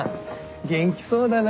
元気そうだな。